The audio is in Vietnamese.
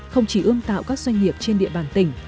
không chỉ ươm tạo các doanh nghiệp trên địa bàn tỉnh